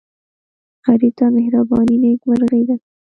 غریب ته مهرباني نیکمرغي ده